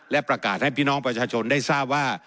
และประกาศให้พี่น้องประชาชนได้ทราบว่า